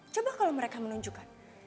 coba kalau mereka menunjukkan